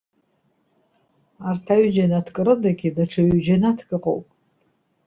Арҭ аҩџьанаҭк рыдагьы, даҽа ҩ-џьанаҭк ыҟоуп.